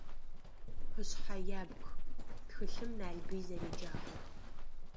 «Къушъхьэ ябг» тхылъым Налбый зэреджагъэр.